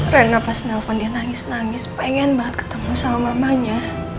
rana pas nelfon dia nangis nangis pengen banget ketemu sama mamanya